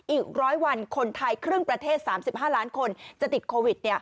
อีก๑๐๐วันคนไทยครึ่งประเทศ๓๕ล้านคนจะติดโควิด